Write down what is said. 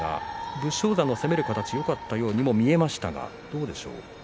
武将山の攻める形よかったようにも見えましたがどうでしょう？